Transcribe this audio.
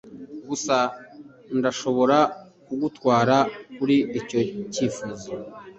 Gusa ndashobora kugutwara kuri icyo cyifuzo.